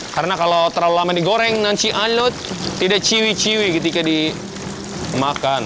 karena kalau terlalu lama di goreng nanti anlut tidak ciwi ciwi ketika dimakan